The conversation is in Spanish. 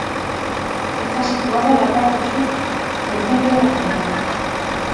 Está situado en la parte sur del centro de la ciudad.